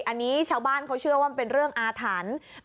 อันนี้ชาวบ้านเขาเชื่อว่ามันเป็นเรื่องอาถรรพ์